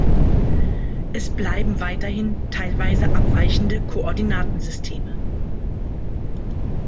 Es bleiben weiterhin teilweise abweichende Koordinatensysteme.